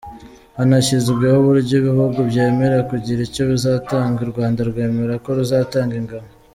Hanashyizweho uburyo ibihugu byemera kugira icyo bizatanga, u Rwanda rwemera ko ruzatanga ingabo.